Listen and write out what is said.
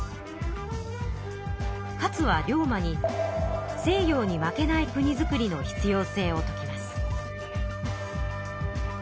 勝は龍馬に西洋に負けない国づくりの必要性を説きます。